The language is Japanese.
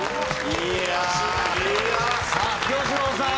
いやあ！さあ清志郎さん！